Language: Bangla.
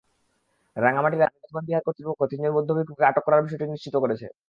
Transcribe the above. রাঙামাটি রাজবন বিহার কর্তৃপক্ষ তিনজন বৌদ্ধ ভিক্ষুকে আটক করার বিষয়টি নিশ্চিত করেছে।